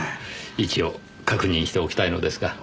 一応確認しておきたいのですが。